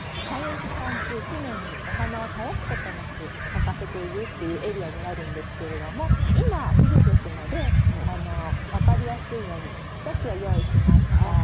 開園期間中常にお花を絶やすことなく咲かせているっていうエリアになるんですけれども今冬ですので分かりやすいようにお写真を用意しました。